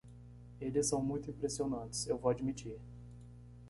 Eles são muito impressionantes? eu vou admitir.